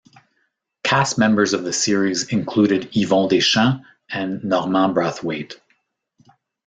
Cast members of the series included Yvon Deschamps and Normand Brathwaite.